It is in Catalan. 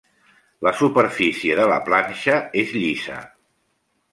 La superfície de la planxa és llisa.